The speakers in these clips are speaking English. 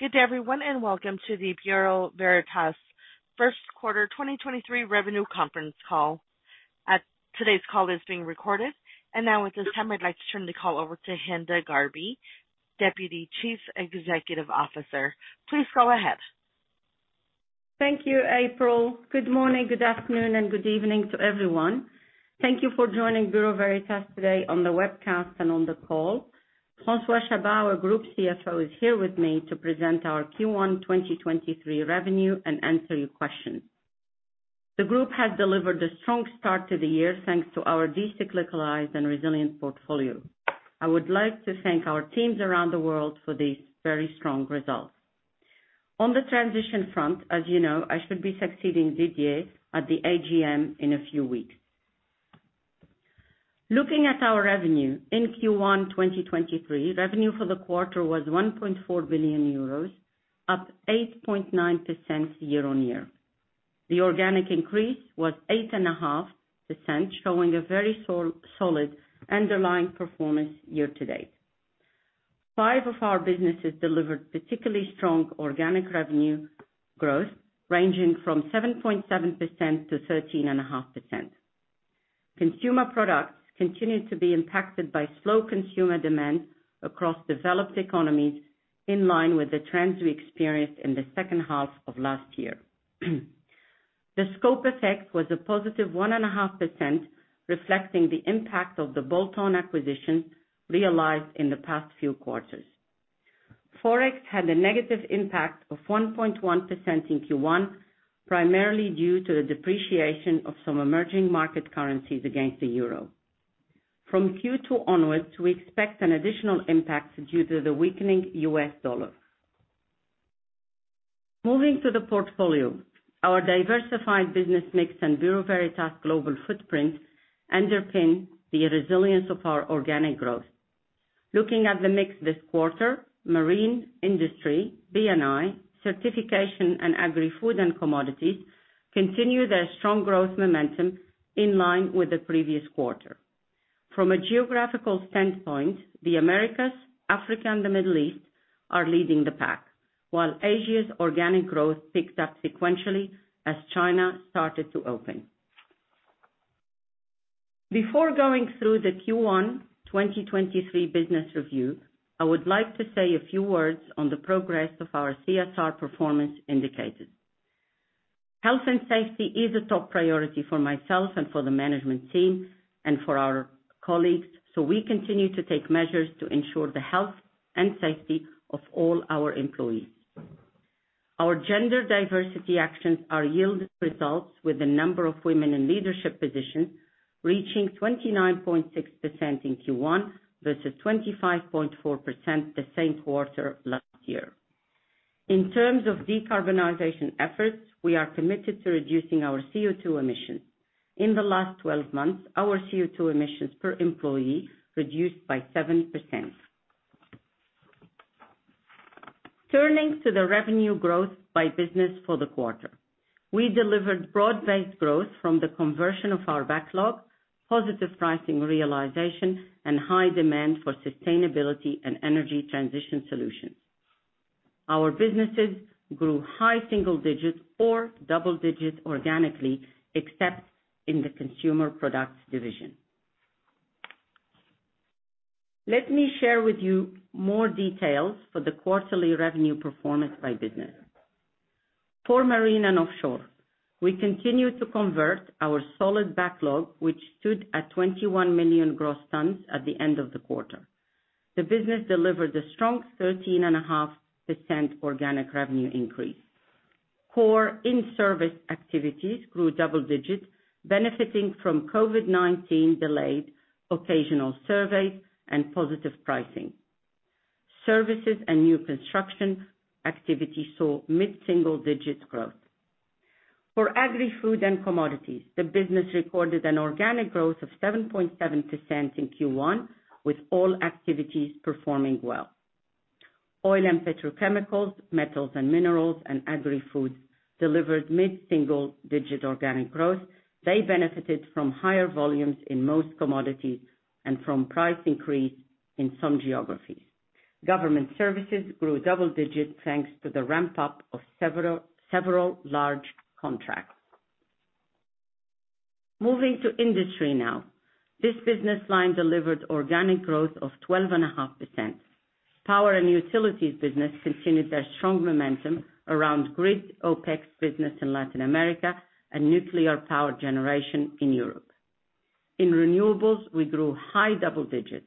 Good day everyone, welcome to the Bureau Veritas first quarter 2023 revenue conference call. Today's call is being recorded. Now, at this time, I'd like to turn the call over to Hinda Gharbi, Deputy Chief Executive Officer. Please go ahead. Thank you, April. Good morning, good afternoon, and good evening to everyone. Thank you for joining Bureau Veritas today on the webcast and on the call. François Chabas, our Group CFO, is here with me to present our Q1 2023 revenue and answer your questions. The group has delivered a strong start to the year, thanks to our de-cyclicalized and resilient portfolio. I would like to thank our teams around the world for these very strong results. On the transition front, as you know, I should be succeeding Didier at the AGM in a few weeks. Looking at our revenue in Q1 2023, revenue for the quarter was 1.4 billion euros, up 8.9% year-on-year. The organic increase was 8.5%, showing a very solid underlying performance year to date. Five of our businesses delivered particularly strong organic revenue growth, ranging from 7.7-13.5%. Consumer products continued to be impacted by slow consumer demand across developed economies, in line with the trends we experienced in the second half of last year. The scope effect was a positive 1.5%, reflecting the impact of the Bolt-on acquisition realized in the past few quarters. Forex had a negative impact of 1.1% in Q1, primarily due to the depreciation of some emerging market currencies against the euro. From Q2 onwards, we expect an additional impact due to the weakening US dollar. Moving to the portfolio, our diversified business mix and Bureau Veritas global footprint underpin the resilience of our organic growth. Looking at the mix this quarter, marine industry, B&I, certification, and agri food and commodities continue their strong growth momentum in line with the previous quarter. From a geographical standpoint, the Americas, Africa, and the Middle East are leading the pack, while Asia's organic growth picks up sequentially as China started to open. Before going through the Q1 2023 business review, I would like to say a few words on the progress of our CSR performance indicators. Health and safety is a top priority for myself and for the management team and for our colleagues, so we continue to take measures to ensure the health and safety of all our employees. Our gender diversity actions are yielding results with the number of women in leadership positions reaching 29.6% in Q1 versus 25.4% the same quarter last year. In terms of decarbonization efforts, we are committed to reducing our CO2 emissions. In the last 12 months, our CO2 emissions per employee reduced by 7%. Turning to the revenue growth by business for the quarter. We delivered broad-based growth from the conversion of our backlog, positive pricing realization, and high demand for sustainability and energy transition solutions. Our businesses grew high single digits or double digits organically, except in the consumer products division. Let me share with you more details for the quarterly revenue performance by business. For marine and offshore, we continued to convert our solid backlog, which stood at 21 million gross tons at the end of the quarter. The business delivered a strong 13.5% organic revenue increase. Core in-service activities grew double digits, benefiting from COVID-19 delayed occasional surveys and positive pricing. Services and new construction activities saw mid-single digits growth. For agri food and commodities, the business recorded an organic growth of 7.7% in Q1, with all activities performing well. Oil and petrochemicals, metals and minerals, and agri foods delivered mid-single digit organic growth. They benefited from higher volumes in most commodities and from price increase in some geographies. Government services grew double digits, thanks to the ramp-up of several large contracts. Moving to industry now. This business line delivered organic growth of 12.5%. Power and utilities business continued their strong momentum around grid OPEX business in Latin America and nuclear power generation in Europe. In renewables, we grew high double digits.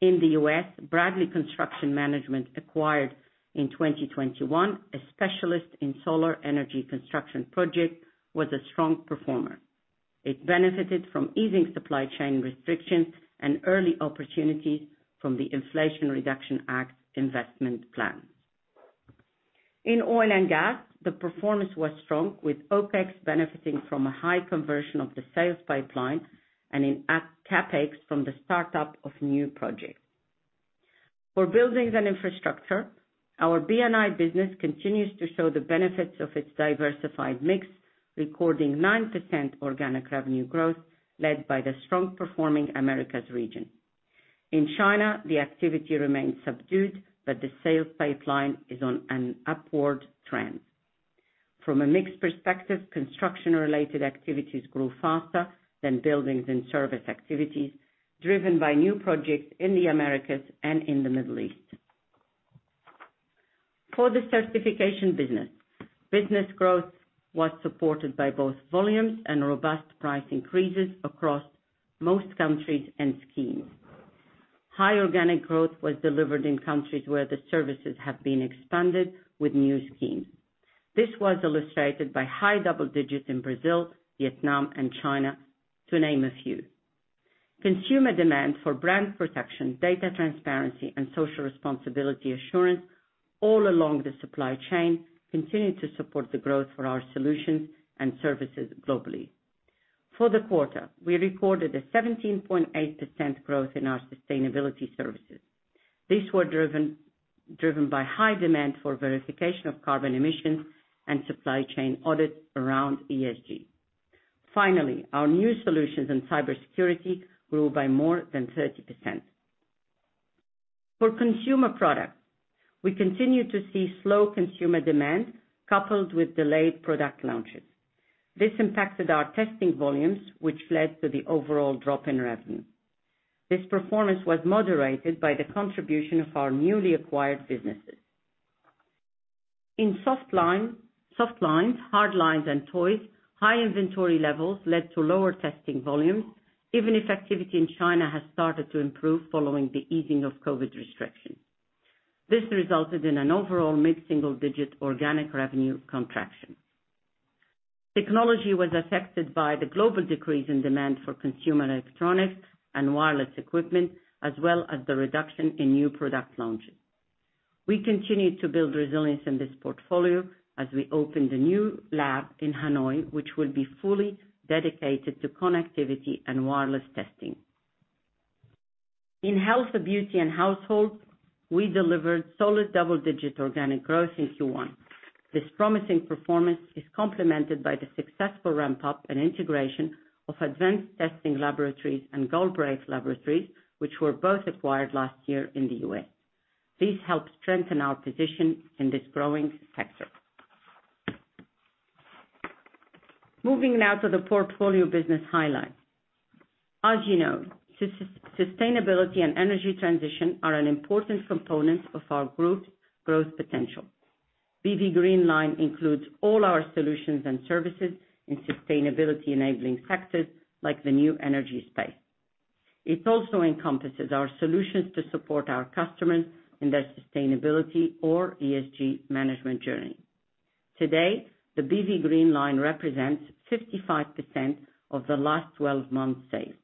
In the U.S., Bradley Construction Management, acquired in 2021, a specialist in solar energy construction project, was a strong performer. It benefited from easing supply chain restrictions and early opportunities from the Inflation Reduction Act's investment plan. In oil and gas, the performance was strong, with OPEX benefiting from a high conversion of the sales pipeline and in at CapEx from the startup of new projects. For Buildings & Infrastructure, our BNI business continues to show the benefits of its diversified mix, recording 9% organic revenue growth led by the strong performing Americas region. China, the activity remains subdued, but the sales pipeline is on an upward trend. From a mixed perspective, construction related activities grew faster than buildings and service activities, driven by new projects in the Americas and in the Middle East. For the certification business growth was supported by both volumes and robust price increases across most countries and schemes. High organic growth was delivered in countries where the services have been expanded with new schemes. This was illustrated by high double digits in Brazil, Vietnam, and China, to name a few. Consumer demand for brand protection, data transparency, and social responsibility assurance all along the supply chain continued to support the growth for our solutions and services globally. For the quarter, we reported a 17.8% growth in our sustainability services. These were driven by high demand for verification of carbon emissions and supply chain audits around ESG. Finally, our new solutions in cybersecurity grew by more than 30%. For consumer products, we continue to see slow consumer demand coupled with delayed product launches. This impacted our testing volumes, which led to the overall drop in revenue. This performance was moderated by the contribution of our newly acquired businesses. In soft lines, hard lines, and toys, high inventory levels led to lower testing volumes, even if activity in China has started to improve following the easing of COVID-19 restrictions. This resulted in an overall mid-single-digit organic revenue contraction. Technology was affected by the global decrease in demand for consumer electronics and wireless equipment, as well as the reduction in new product launches. We continue to build resilience in this portfolio as we open the new lab in Hanoi, which will be fully dedicated to connectivity and wireless testing. In health, beauty, and household, we delivered solid double-digit organic growth in Q1. This promising performance is complemented by the successful ramp-up and integration of Advanced Testing Laboratory and Galbraith Laboratories, which were both acquired last year in the U.S. These help strengthen our position in this growing sector. Moving now to the portfolio business highlights. As you know, sustainability and energy transition are an important component of our group growth potential. BV Green Line includes all our solutions and services in sustainability enabling sectors like the new energy space. It also encompasses our solutions to support our customers in their sustainability or ESG management journey. Today, the BV Green Line represents 55% of the last 12 months' sales.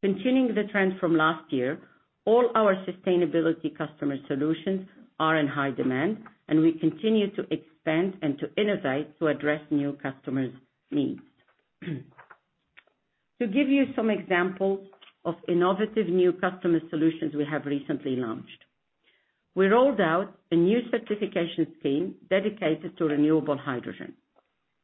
Continuing the trend from last year, all our sustainability customer solutions are in high demand, and we continue to expand and to innovate to address new customers' needs. To give you some examples of innovative new customer solutions we have recently launched. We rolled out a new certification scheme dedicated to renewable hydrogen.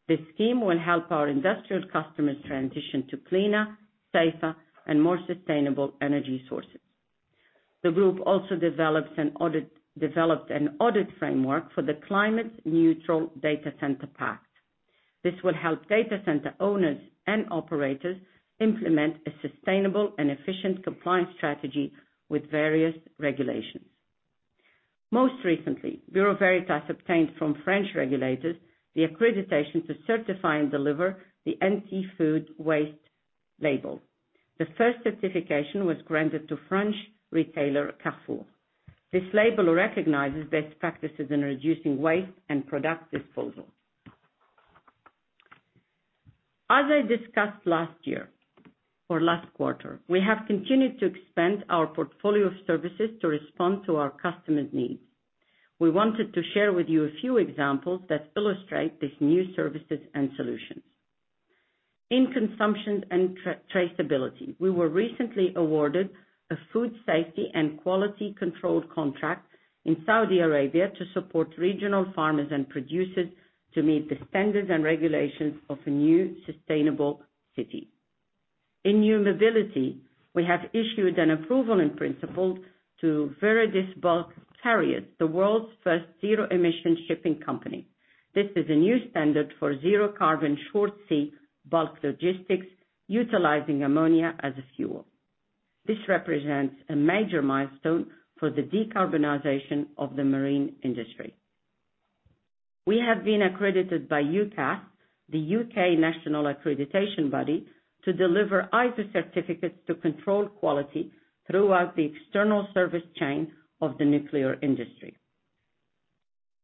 This scheme will help our industrial customers transition to cleaner, safer, and more sustainable energy sources. The group also developed an audit framework for the Climate Neutral Data Center Pact. This will help data center owners and operators implement a sustainable and efficient compliance strategy with various regulations. Most recently, Bureau Veritas obtained from French regulators the accreditation to certify and deliver the Anti-Food Waste label. The first certification was granted to French retailer Carrefour. This label recognizes best practices in reducing waste and product disposal. As I discussed last year or last quarter, we have continued to expand our portfolio of services to respond to our customers' needs. We wanted to share with you a few examples that illustrate these new services and solutions. In consumption and traceability, we were recently awarded a food safety and quality control contract in Saudi Arabia to support regional farmers and producers to meet the standards and regulations of a new sustainable city. In new mobility, we have issued an approval in principle to Viridis Bulk Carriers, the world's first zero-emission shipping company. This is a new standard for zero carbon short sea bulk logistics utilizing ammonia as a fuel. This represents a major milestone for the decarbonization of the marine industry. We have been accredited by UKAS, the UK National Accreditation Body, to deliver ISO certificates to control quality throughout the external service chain of the nuclear industry.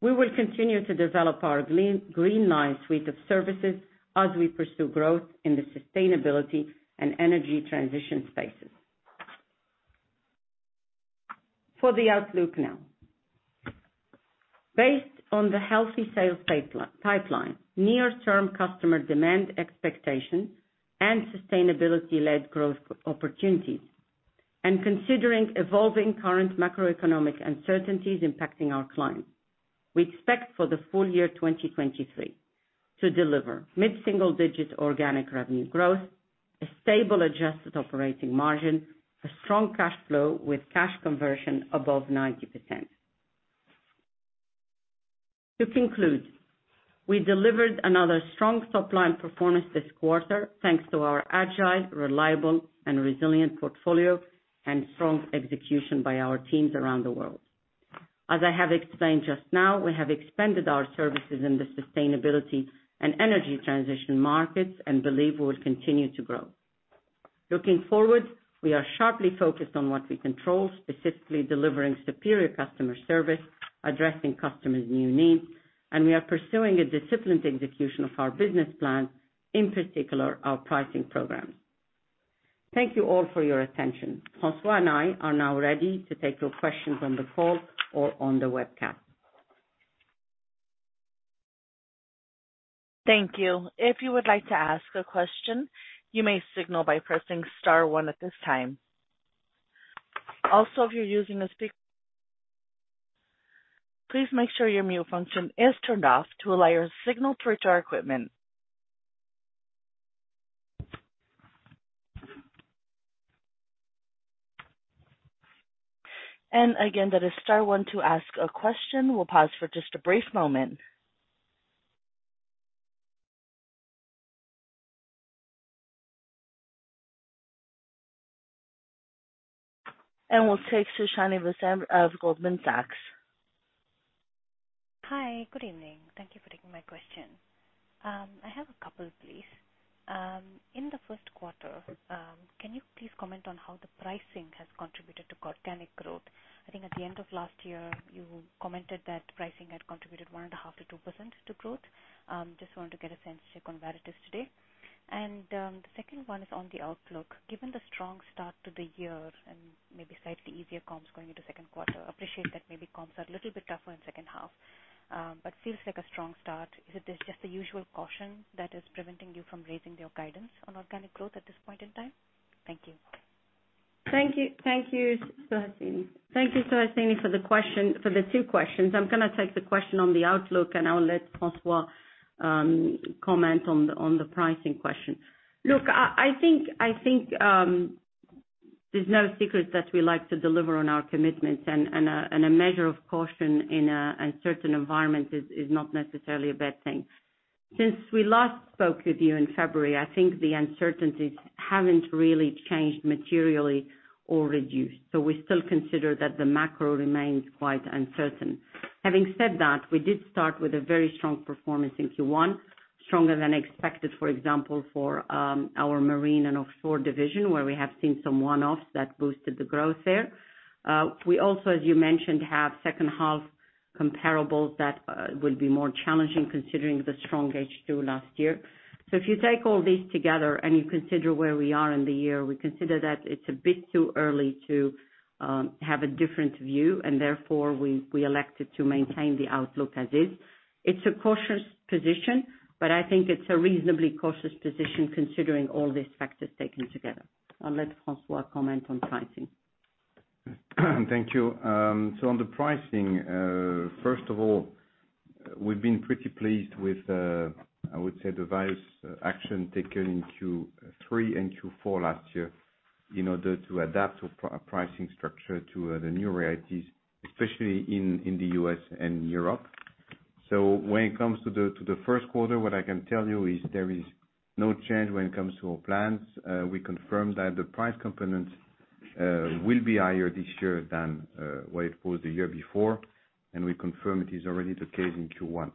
We will continue to develop our BV Green Line suite of services as we pursue growth in the sustainability and energy transition spaces. For the outlook now. Based on the healthy sales pipeline, near-term customer demand expectations, and sustainability-led growth opportunities. Considering evolving current macroeconomic uncertainties impacting our clients, we expect for the full year 2023 to deliver mid-single digit organic revenue growth, a stable adjusted operating margin, a strong cash flow with cash conversion above 90%. To conclude, we delivered another strong top line performance this quarter, thanks to our agile, reliable and resilient portfolio and strong execution by our teams around the world. As I have explained just now, we have expanded our services in the sustainability and energy transition markets and believe we will continue to grow. Looking forward, we are sharply focused on what we control, specifically delivering superior customer service, addressing customers' new needs, we are pursuing a disciplined execution of our business plan, in particular our pricing programs. Thank you all for your attention. François and I are now ready to take your questions on the call or on the webcast. Thank you. If you would like to ask a question, you may signal by pressing star one at this time. Also, if you're using a please make sure your mute function is turned off to allow your signal through to our equipment. Again, that is star one to ask a question. We'll pause for just a brief moment. We'll take Suhasini Varanasi of Goldman Sachs. Hi. Good evening. Thank you for taking my question. I have a couple, please. In the first quarter, can you please comment on how the pricing has contributed to organic growth? I think at the end of last year, you commented that pricing had contributed 1.5-2% to growth. Just wanted to get a sense check on where it is today. The second one is on the outlook. Given the strong start to the year and maybe slightly easier comps going into second quarter, appreciate that maybe comps are a little bit tougher in second half, but feels like a strong start. Is it just the usual caution that is preventing you from raising your guidance on organic growth at this point in time? Thank you. Thank you. Thank you, Suhasini Varanasi. Thank you, Suhasini Varanasi for the two questions. I'm gonna take the question on the outlook, and I'll let François comment on the pricing question. Look, I think there's no secret that we like to deliver on our commitments and a measure of caution in certain environments is not necessarily a bad thing. Since we last spoke with you in February, I think the uncertainties haven't really changed materially or reduced. We still consider that the macro remains quite uncertain. Having said that, we did start with a very strong performance in Q1, stronger than expected, for example, for our Marine and Offshore division, where we have seen some one-offs that boosted the growth there. We also, as you mentioned, have second half comparables that will be more challenging considering the strong H2 last year. If you take all these together and you consider where we are in the year, we consider that it's a bit too early to have a different view, and therefore we elected to maintain the outlook as is. It's a cautious position, but I think it's a reasonably cautious position considering all these factors taken together. I'll let François comment on pricing. Thank you. On the pricing, first of all, we've been pretty pleased with the various action taken in Q3 and Q4 last year in order to adapt our pricing structure to the new realities, especially in the US and Europe. When it comes to the first quarter, what I can tell you is there is no change when it comes to our plans. We confirm that the price component will be higher this year than what it was the year before, and we confirm it is already the case in Q1.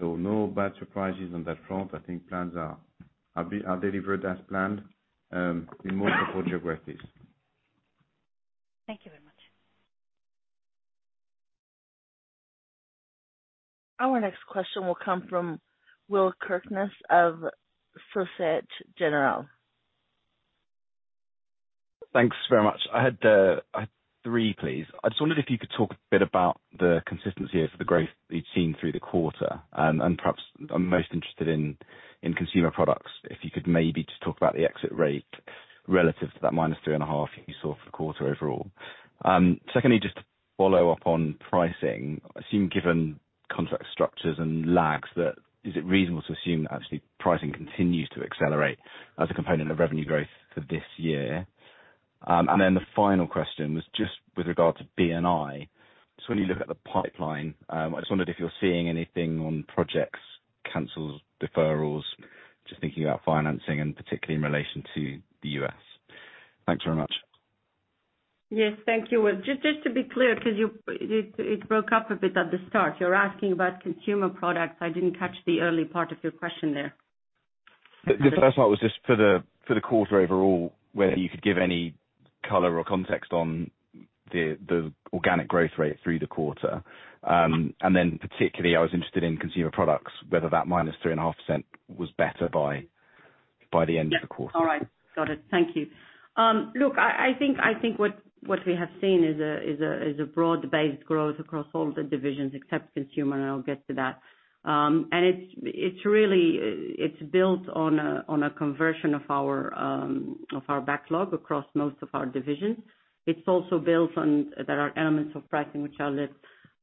No bad surprises on that front. I think plans are delivered as planned in multiple geographies. Thank you very much. Our next question will come from Will Kirkness of SocGen. Thanks very much. I had three, please. I just wondered if you could talk a bit about the consistency of the growth that you've seen through the quarter. Perhaps I'm most interested in consumer products. If you could maybe just talk about the exit rate relative to that minus 3.5 you saw for the quarter overall. Secondly, just to follow up on pricing, I assume, given contract structures and lags, that is it reasonable to assume that actually pricing continues to accelerate as a component of revenue growth for this year? The final question was just with regard to B&I. Just when you look at the pipeline, I just wondered if you're seeing anything on projects, cancels, deferrals, just thinking about financing and particularly in relation to the U.S. Thanks very much. Yes. Thank you, Will. Just to be clear, 'cause it broke up a bit at the start. You're asking about consumer products. I didn't catch the early part of your question there. The first part was just for the quarter overall, whether you could give any color or context on the organic growth rate through the quarter. Particularly I was interested in consumer products, whether that minus 3.5% was better by By the end of the quarter. All right. Got it. Thank you. Look, I think what we have seen is a broad-based growth across all the divisions except consumer, and I'll get to that. It's really built on a conversion of our backlog across most of our divisions. It's also built on there are elements of pricing, which I'll let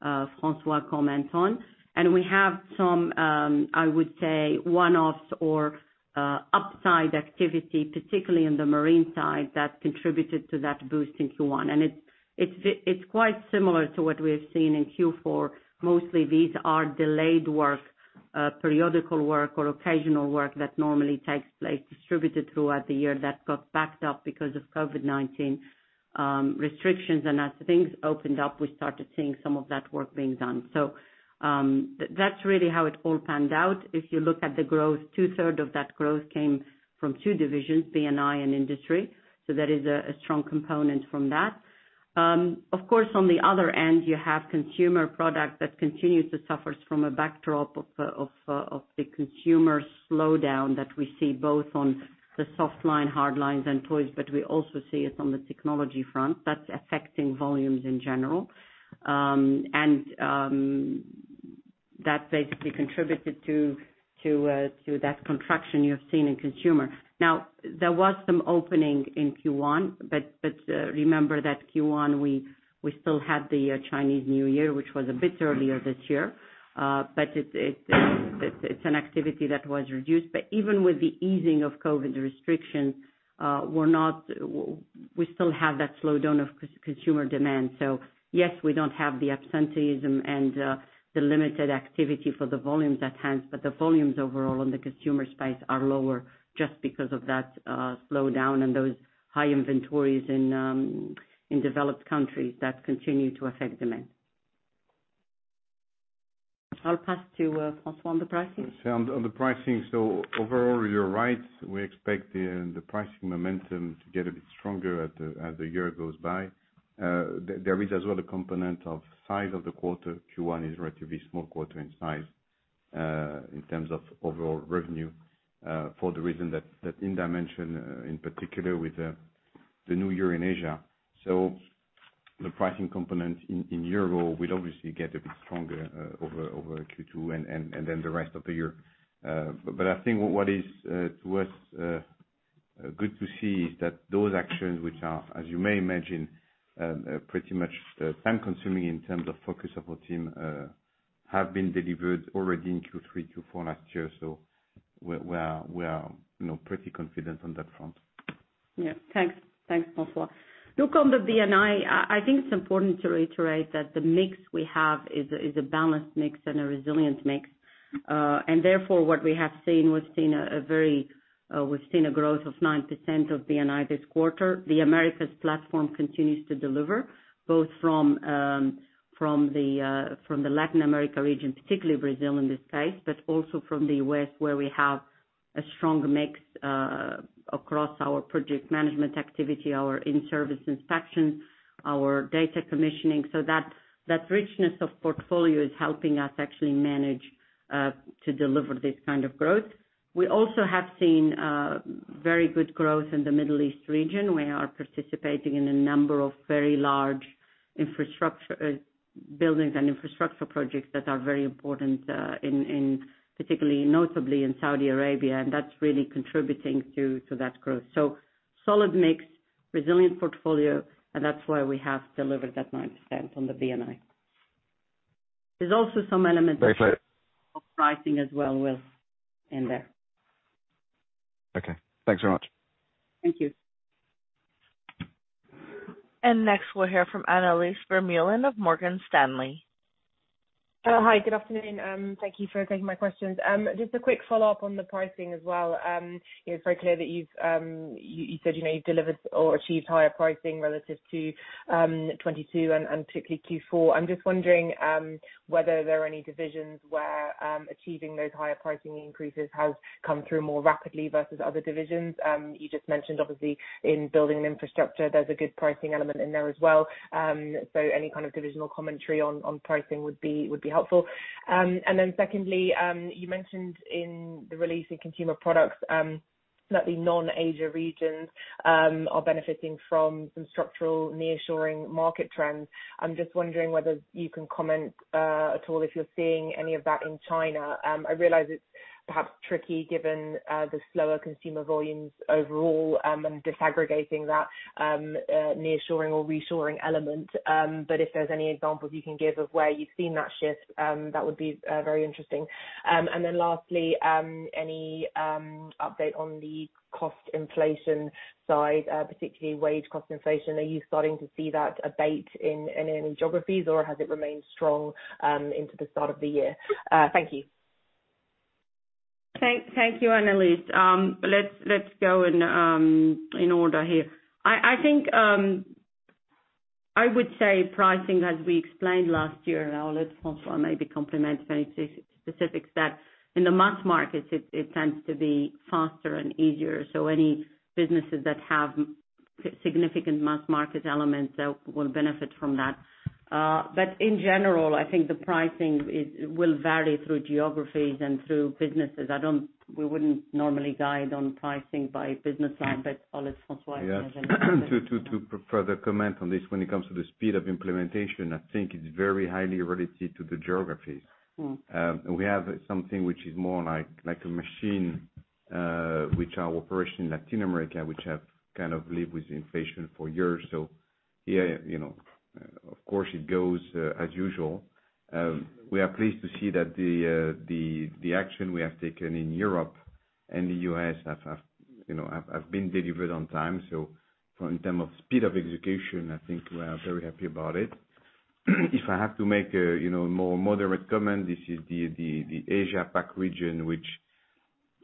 François comment on. We have some, I would say, one-offs or upside activity, particularly in the marine side, that contributed to that boost in Q1. It's quite similar to what we have seen in Q4. Mostly these are delayed work, periodical work or occasional work that normally takes place distributed throughout the year that got backed up because of COVID-19 restrictions. As things opened up, we started seeing some of that work being done. That's really how it all panned out. If you look at the growth, two-third of that growth came from two divisions, B&I and Industry, so there is a strong component from that. Of course, on the other end, you have Consumer Product that continues to suffers from a backdrop of the consumer slowdown that we see both on the soft line, hard lines and toys, but we also see it on the technology front. That's affecting volumes in general. And that basically contributed to that contraction you have seen in consumer. Now, there was some opening in Q1, but remember that Q1, we still had the Chinese New Year, which was a bit earlier this year. It's an activity that was reduced. Even with the easing of COVID restrictions, we still have that slowdown of consumer demand. Yes, we don't have the absenteeism and the limited activity for the volumes at hand, but the volumes overall in the consumer space are lower just because of that slowdown and those high inventories in developed countries that continue to affect demand. I'll pass to François on the pricing. On the pricing. Overall, you're right. We expect the pricing momentum to get a bit stronger as the year goes by. There is as well a component of size of the quarter. Q1 is relatively small quarter in size, in terms of overall revenue, for the reason that Hinda mentioned, in particular with the new year in Asia. The pricing component in year over will obviously get a bit stronger over Q2 and then the rest of the year. I think what is to us good to see is that those actions which are, as you may imagine, pretty much time consuming in terms of focus of our team, have been delivered already in Q3, Q4 last year. We're, you know, pretty confident on that front. Yeah. Thanks. Thanks, François. Look, on the B&I think it's important to reiterate that the mix we have is a balanced mix and a resilient mix. Therefore, what we have seen, we've seen a very growth of 9% of B&I this quarter. The Americas platform continues to deliver both from the Latin America region, particularly Brazil in this case, but also from the US, where we have a strong mix across our project management activity, our in-service inspection, our data commissioning. That richness of portfolio is helping us actually manage to deliver this kind of growth. We also have seen very good growth in the Middle East region. We are participating in a number of very large infrastructure, Buildings & Infrastructure projects that are very important, in particularly notably in Saudi Arabia. That's really contributing to that growth. Solid mix, resilient portfolio. That's why we have delivered that 9% on the B&I. There's also some elements. Very clear. of pricing as well with in there. Okay. Thanks very much. Thank you. Next, we'll hear from Annelies Vermeulen of Morgan Stanley. Hi. Good afternoon. Thank you for taking my questions. Just a quick follow-up on the pricing as well. It's very clear that you've, you said, you know, you've delivered or achieved higher pricing relative to 2022 and particularly Q4. I'm just wondering whether there are any divisions where achieving those higher pricing increases has come through more rapidly versus other divisions. You just mentioned obviously in Buildings & Infrastructure, there's a good pricing element in there as well. Any kind of divisional commentary on pricing would be helpful. Secondly, you mentioned in the release in Consumer Products, that the non-Asia regions are benefiting from some structural nearshoring market trends. I'm just wondering whether you can comment at all if you're seeing any of that in China. I realize it's perhaps tricky given the slower consumer volumes overall, and disaggregating that nearshoring or reshoring element. If there's any examples you can give of where you've seen that shift, that would be very interesting. Then lastly, any update on the cost inflation side, particularly wage cost inflation. Are you starting to see that abate in any geographies, or has it remained strong into the start of the year? Thank you. Thank you, Annelies. Let's go in order here. I think I would say pricing, as we explained last year, and I'll let François maybe complement any specifics, that in the mass markets, it tends to be faster and easier. Any businesses that have Significant mass market elements that will benefit from that. In general, I think the pricing will vary through geographies and through businesses. We wouldn't normally guide on pricing by business line. Olivier, François, anything you want to say? Yes. To further comment on this, when it comes to the speed of implementation, I think it's very highly related to the geographies. We have something which is more like a machine, which are operation in Latin America, which have kind of lived with inflation for years. Yeah, you know, of course, it goes as usual. We are pleased to see that the action we have taken in Europe and the US have, you know, have been delivered on time. In term of speed of execution, I think we are very happy about it. If I have to make a, you know, more moderate comment, this is the Asia PAC region, which,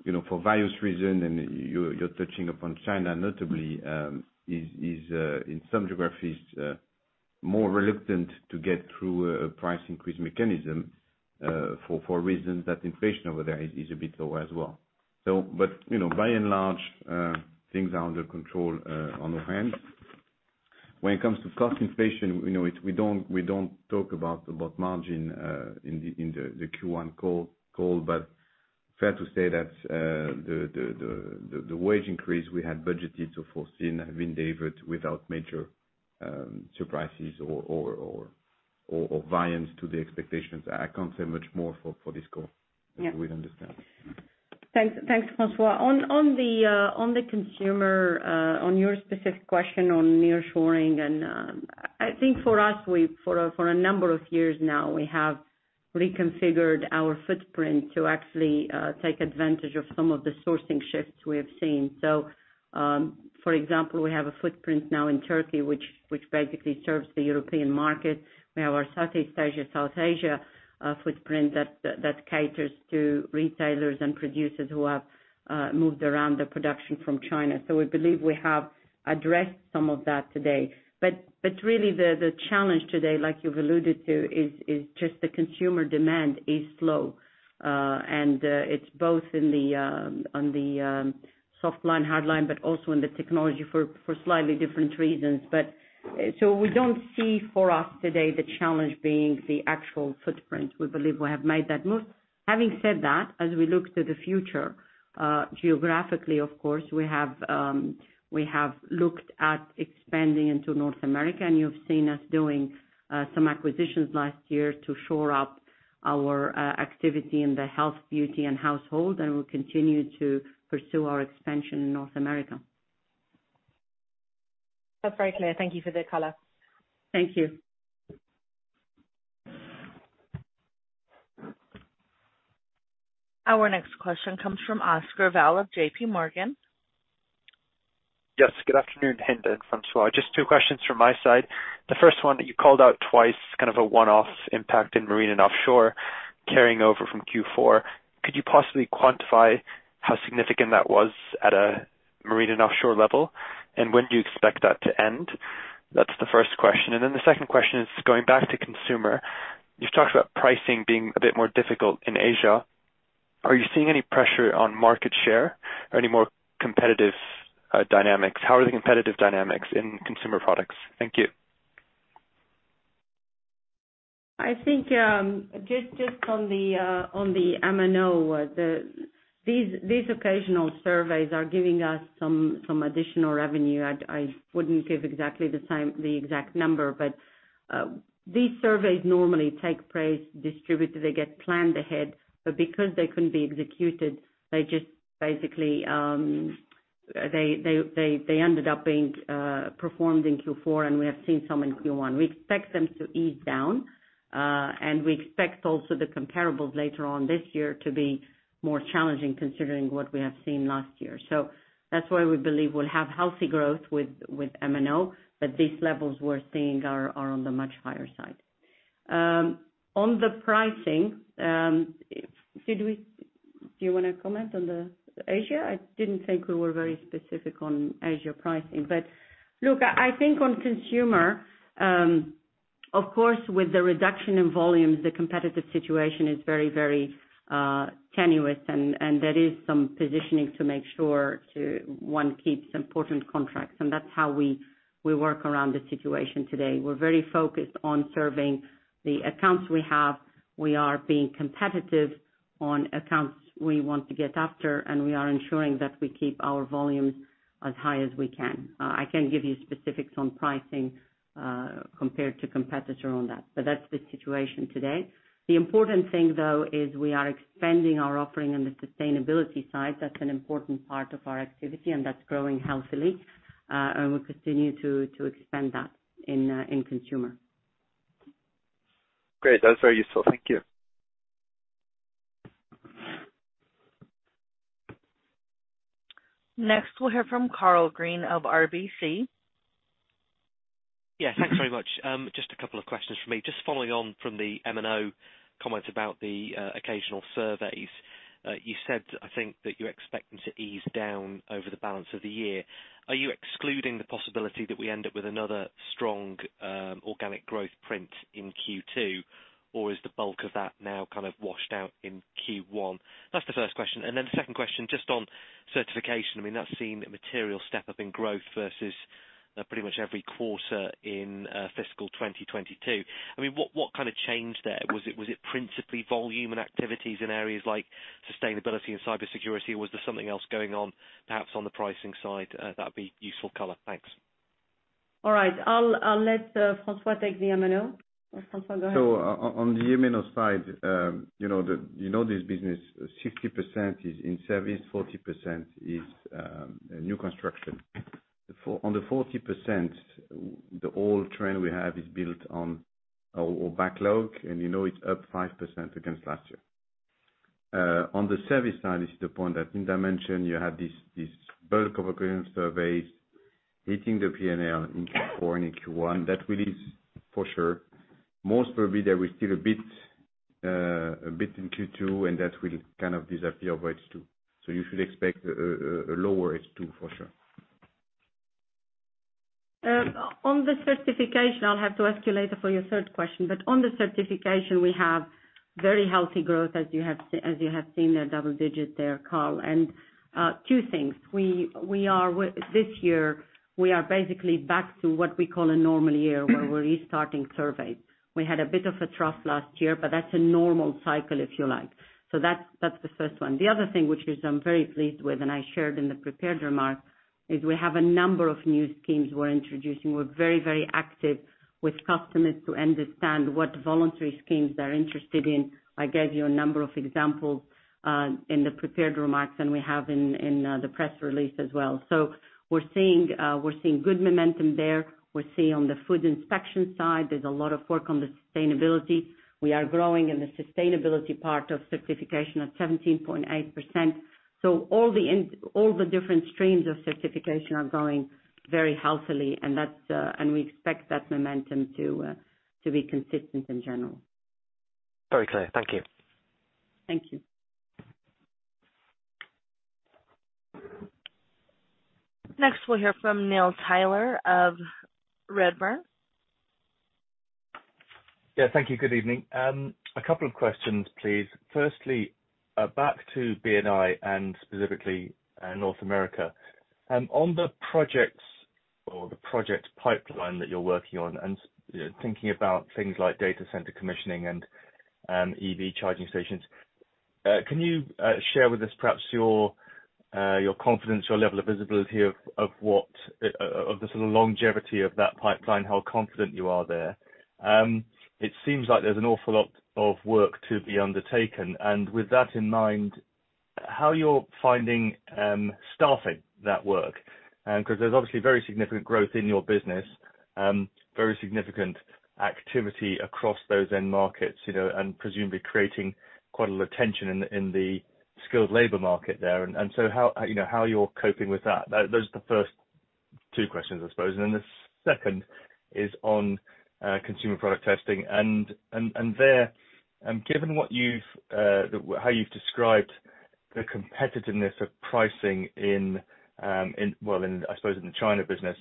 you know, for various reasons, and you're touching upon China notably, is in some geographies more reluctant to get through a price increase mechanism, for reasons that inflation over there is a bit lower as well. You know, by and large, things are under control on our hands. When it comes to cost inflation, you know, we don't talk about margin in the Q1 call, but fair to say that the wage increase we had budgeted to foresee have been delivered without major surprises or variance to the expectations. I can't say much more for this call. Yeah. We'd understand. Thanks, François. On the consumer, on your specific question on nearshoring, and I think for us, for a number of years now, we have reconfigured our footprint to actually take advantage of some of the sourcing shifts we have seen. For example, we have a footprint now in Turkey, which basically serves the European market. We have our Southeast Asia, South Asia footprint that caters to retailers and producers who have moved around the production from China. We believe we have addressed some of that today. But really the challenge today, like you've alluded to, is just the consumer demand is slow. It's both in the soft line, hard line, but also in the technology for slightly different reasons. We don't see for us today the challenge being the actual footprint. We believe we have made that move. Having said that, as we look to the future, geographically, of course, we have looked at expanding into North America, and you've seen us doing, some acquisitions last year to shore up our activity in the health, beauty, and household, and we'll continue to pursue our expansion in North America. That's very clear. Thank you for the color. Thank you. Our next question comes from Aymeric de Spirlet of JPMorgan. Yes, good afternoon, Hinda and François. Just two questions from my side. The first one that you called out twice, kind of a one-off impact in marine and offshore carrying over from Q4. Could you possibly quantify how significant that was at a marine and offshore level? When do you expect that to end? That's the first question. The second question is going back to consumer. You've talked about pricing being a bit more difficult in Asia. Are you seeing any pressure on market share or any more competitive dynamics? How are the competitive dynamics in consumer products? Thank you. I think, just on the, on the M&O. These occasional surveys are giving us some additional revenue. I wouldn't give exactly the same, the exact number, but these surveys normally take place distributed, they get planned ahead, but because they couldn't be executed, they just basically, they ended up being performed in Q4, and we have seen some in Q1. We expect them to ease down, and we expect also the comparables later on this year to be more challenging considering what we have seen last year. That's why we believe we'll have healthy growth with M&O, but these levels we're seeing are on the much higher side. On the pricing, do you wanna comment on Asia? I didn't think we were very specific on Asia pricing. Look, I think on consumer, of course, with the reduction in volumes, the competitive situation is very, very tenuous, and there is some positioning to make sure to one keeps important contracts. That's how we work around the situation today. We're very focused on serving the accounts we have. We are being competitive on accounts we want to get after, and we are ensuring that we keep our volumes as high as we can. I can't give you specifics on pricing, compared to competitor on that, but that's the situation today. The important thing, though, is we are expanding our offering on the sustainability side. That's an important part of our activity, and that's growing healthily. We'll continue to expand that in consumer. Great. That was very useful. Thank you. Next, we'll hear from Karl Green of RBC. Yeah. Thanks very much. Just a couple of questions from me. Just following on from the M&O comments about the occasional surveys. You said, I think, that you're expecting to ease down over the balance of the year. Are you excluding the possibility that we end up with another strong organic growth print in Q2? Is the bulk of that now kind of washed out in Q1? That's the first question. The second question, just on Certification, I mean, that's seen a material step-up in growth versus pretty much every quarter in fiscal 2022. I mean, what kind of change there? Was it principally volume and activities in areas like sustainability and cybersecurity? Was there something else going on, perhaps on the pricing side? That'd be useful color. Thanks. All right. I'll let François take the M&O. François, go ahead. On the M&O side, you know, this business, 60% is in service, 40% is new construction. On the 40%, the old trend we have is built on old backlog, and you know it's up 5% against last year. On the service side, this is the point that Hinda mentioned, you have this bulk of occurrence surveys hitting the PNL in Q4 and in Q1. That will ease for sure. Most probably there is still a bit in Q2, and that will kind of disappear by Q2. You should expect a lower H2, for sure. On the certification, I'll have to ask you later for your third question. On the certification, we have very healthy growth as you have seen, a double digit there, Karl. Two things: We are This year we are basically back to what we call a normal year, where we're restarting surveys. We had a bit of a trough last year, but that's a normal cycle, if you like. That's the first one. The other thing which is I'm very pleased with, and I shared in the prepared remarks, is we have a number of new schemes we're introducing. We're very, very active with customers to understand what voluntary schemes they're interested in. I gave you a number of examples in the prepared remarks, and we have in the press release as well. We're seeing good momentum there. We're seeing on the food inspection side, there's a lot of work on the sustainability. We are growing in the sustainability part of certification at 17.8%. All the different streams of certification are going very healthily and that, and we expect that momentum to be consistent in general. Very clear. Thank you. Thank you. Next, we'll hear from Neil Tyler of Redburn. Yeah, thank you. Good evening. A couple of questions, please. Firstly, back to B&I, and specifically, North America. On the projects or the project pipeline that you're working on and, you know, thinking about things like data center commissioning and EV charging stations, can you share with us perhaps your confidence, your level of visibility of what, of the sort of longevity of that pipeline, how confident you are there? It seems like there's an awful lot of work to be undertaken. With that in mind, how you're finding staffing that work? 'Cause there's obviously very significant growth in your business, very significant activity across those end markets, you know. Presumably creating quite a lot of tension in the skilled labor market there. How, you know, how you're coping with that? Those are the first two questions, I suppose. Then the second is on consumer product testing. There, given what you've how you've described the competitiveness of pricing in, well, in, I suppose, in the China business,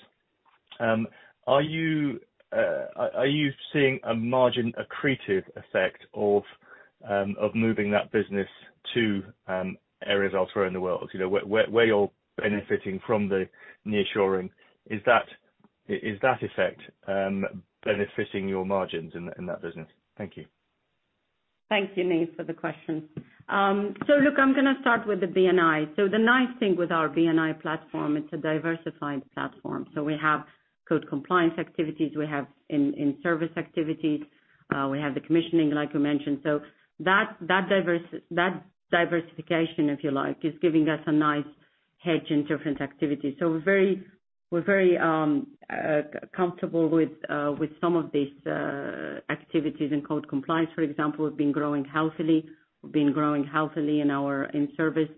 are you seeing a margin accretive effect of moving that business to areas elsewhere in the world? You know, where you're benefiting from the nearshoring, is that effect benefiting your margins in that business? Thank you. Thank you, Neil, for the question. Look, I'm gonna start with the B&I. The nice thing with our B&I platform, it's a diversified platform. We have code compliance activities, we have in-service activities, we have the commissioning, like you mentioned. That diversification, if you like, is giving us a nice hedge in different activities. We're very comfortable with some of these activities. In code compliance, for example, we've been growing healthily. We've been growing healthily in our in-service.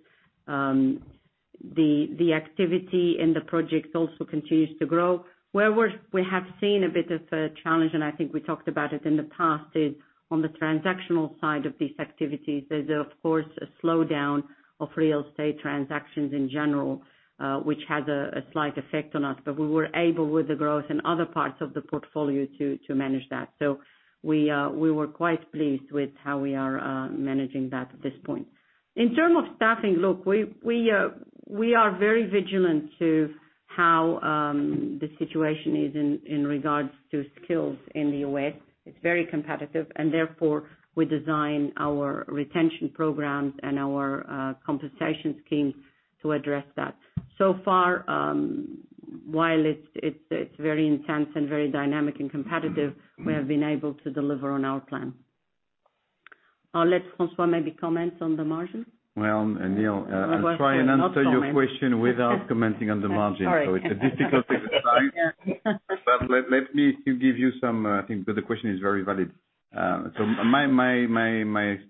The activity in the projects also continues to grow. Where we have seen a bit of a challenge, and I think we talked about it in the past, is on the transactional side of these activities. There's of course, a slowdown of real estate transactions in general, which has a slight effect on us. We were able, with the growth in other parts of the portfolio to manage that. We were quite pleased with how we are managing that at this point. In terms of staffing, look, we are very vigilant to how the situation is in regards to skills in the U.S. It's very competitive, we design our retention programs and our compensation scheme to address that. So far, while it's very intense and very dynamic and competitive, we have been able to deliver on our plan. I'll let François maybe comment on the margin. Well, Neil. Both or not comment. I'll try and answer your question without commenting on the margin. All right. It's a difficult exercise. Yeah. Let me give you some, I think the question is very valid. My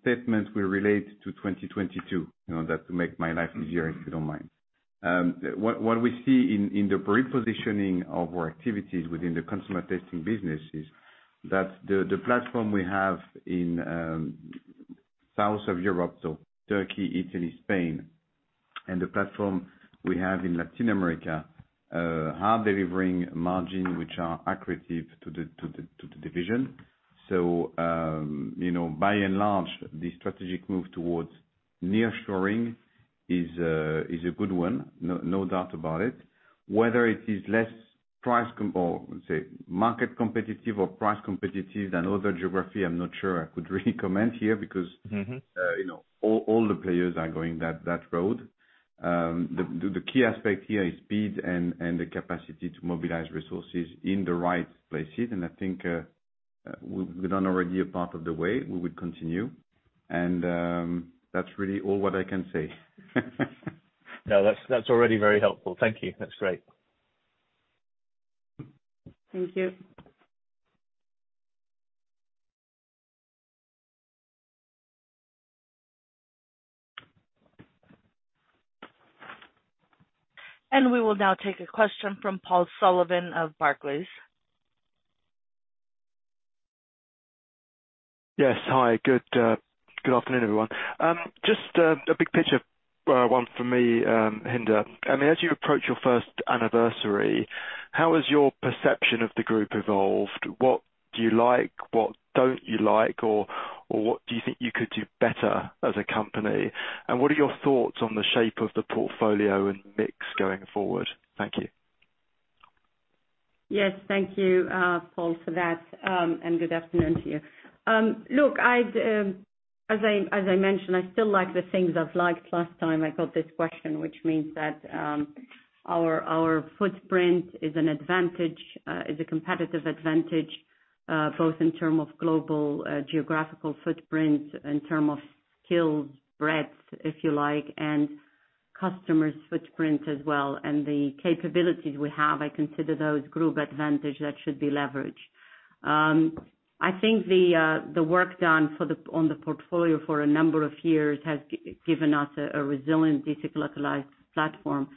statements will relate to 2022, you know, that to make my life easier, if you don't mind. What we see in the repositioning of our activities within the consumer testing business is that the platform we have in south of Europe, so Turkey, Italy, Spain, and the platform we have in Latin America are delivering margin which are accretive to the division. You know, by and large, the strategic move towards nearshoring is a good one, no doubt about it. Whether it is less price competitive or, say, market competitive or price competitive than other geography, I'm not sure I could really comment here because- you know, all the players are going that road. The key aspect here is speed and the capacity to mobilize resources in the right places. I think, we're done already a part of the way, we will continue. That's really all what I can say. No, that's already very helpful. Thank you. That's great. Thank you. We will now take a question from Paul Sullivan of Barclays. Yes. Hi. Good afternoon, everyone. Just a big picture one for me, Hinda. As you approach your first anniversary, how has your perception of the group evolved? What do you like? What don't you like? What do you think you could do better as a company? What are your thoughts on the shape of the portfolio and mix going forward? Thank you. Yes. Thank you, Paul, for that, good afternoon to you. Look, I'd, as I mentioned, I still like the things I've liked last time I got this question, which means that our footprint is an advantage, is a competitive advantage, both in term of global geographical footprint, in term of skills breadth, if you like, and customers footprint as well. The capabilities we have, I consider those group advantage that should be leveraged. I think the work done on the portfolio for a number of years has given us a resilient de-cyclicalized platform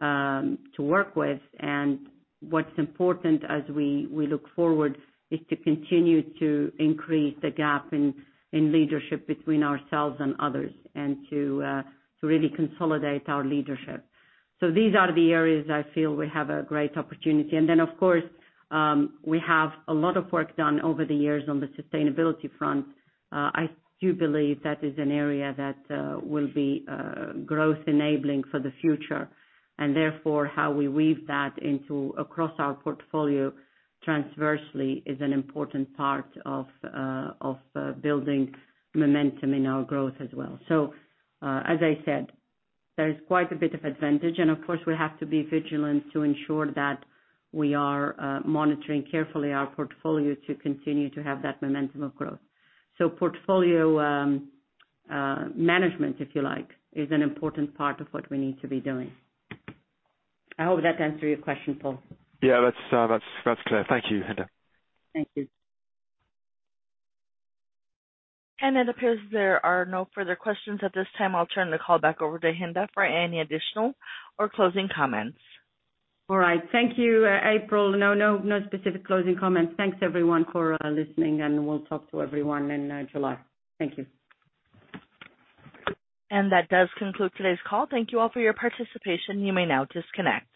to work with. What's important as we look forward is to continue to increase the gap in leadership between ourselves and others and to really consolidate our leadership. These are the areas I feel we have a great opportunity. Of course, we have a lot of work done over the years on the sustainability front. I do believe that is an area that will be growth enabling for the future. Therefore, how we weave that across our portfolio transversely is an important part of building momentum in our growth as well. As I said, there's quite a bit of advantage. Of course, we have to be vigilant to ensure that we are monitoring carefully our portfolio to continue to have that momentum of growth. Portfolio management, if you like, is an important part of what we need to be doing. I hope that answers your question, Paul. Yeah, that's clear. Thank you, Hinda. Thank you. It appears there are no further questions at this time. I'll turn the call back over to Hinda for any additional or closing comments. All right. Thank you, April. No, no specific closing comments. Thanks, everyone, for listening, and we'll talk to everyone in July. Thank you. That does conclude today's call. Thank you all for your participation. You may now disconnect.